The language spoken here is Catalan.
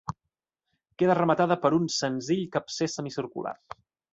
Queda rematada per un senzill capcer semicircular.